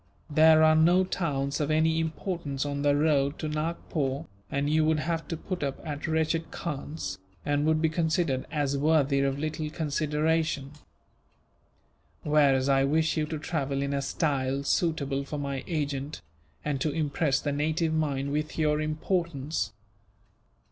There are no towns of any importance on the road to Nagpore, and you would have to put up at wretched khans, and would be considered as worthy of little consideration; whereas I wish you to travel in a style suitable for my agent, and to impress the native mind with your importance.